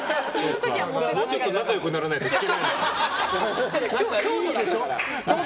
もうちょっと仲良くならないと聴けないんだ。